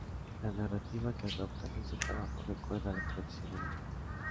La narrativa que adopta en este trabajo recuerda a la tradición oral.